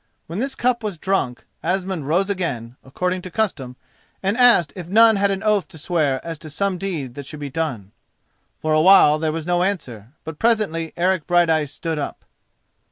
When this cup was drunk, Asmund rose again, according to custom, and asked if none had an oath to swear as to some deed that should be done. For a while there was no answer, but presently Eric Brighteyes stood up.